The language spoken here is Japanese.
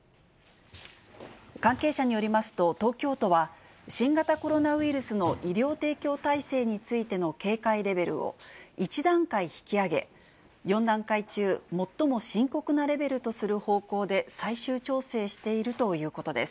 関係者によりますと、東京都は、新型コロナウイルスの医療提供体制についての警戒レベルを１段階引き上げ、４段階中、最も深刻なレベルとする方向で最終調整しているということです。